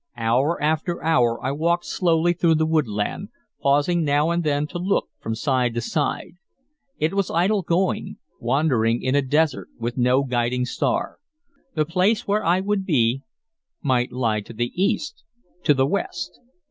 Hour after hour I walked slowly through the woodland, pausing now and then to look from side to side. It was idle going, wandering in a desert with no guiding star. The place where I would be might lie to the east, to the west.